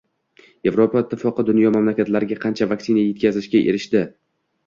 Yevropa ittifoqi dunyo mamlakatlariga qancha vaksina yetkazishga erishdi?ng